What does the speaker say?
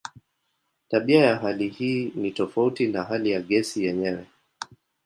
Tabia ya hali hii ni tofauti na hali ya gesi yenyewe.